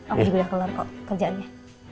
aku juga udah kelar kok kerjaannya